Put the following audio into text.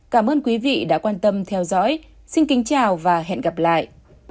cảm ơn quý vị đã quan tâm theo dõi xin kính chào và hẹn gặp lại